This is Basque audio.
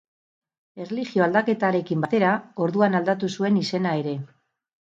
Erlijio-aldaketarekin batera, orduan aldatu zuen izena ere.